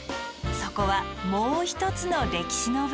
そこはもう一つの歴史の舞台。